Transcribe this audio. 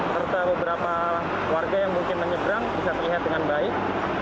serta beberapa warga yang mungkin menyeberang bisa terlihat dengan baik